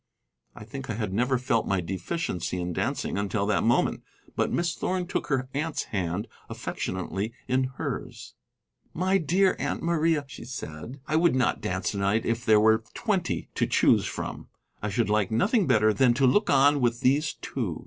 I think I had never felt my deficiency in dancing until that moment. But Miss Thorn took her aunt's hand affectionately in hers. "My dear Aunt Maria," said she, "I would not dance to night if there were twenty to choose from. I should like nothing better than to look on with these two.